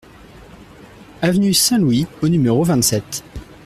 Avenue Saint-Louis au numéro vingt-sept